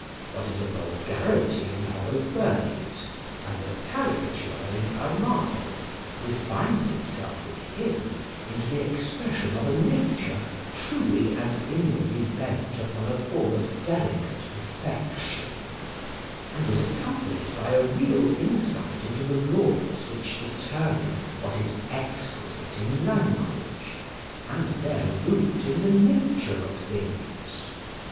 What is a vulgarity in Holofernes, and a caricature in Armado, refines itself with him into the expression of a nature truly and inwardly bent upon a form of delicate perfection, and is accompanied by a real insight into the laws which determine what is exquisite in language, and their root in the nature of things.